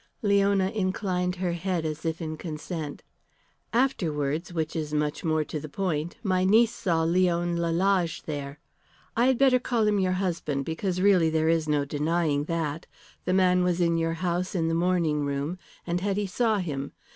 Leona inclined her head as if in consent. "Afterwards, which is much more to the point, my niece saw Leon Lalage here. I had better call him your husband, because really there is no denying that. The man was in your house in the morning room, and Hetty saw him.